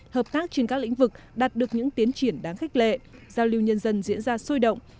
hợp tác trên các lĩnh vực đạt được những tiến triển đáng khách lệ giao lưu nhân dân diễn ra sôi động